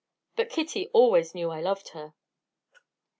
But Kitty always knew I loved her."